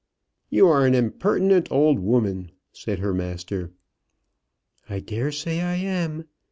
"You are an impertinent old woman," said her master. "I daresay I am.